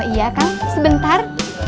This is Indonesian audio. oh iya kang sebentar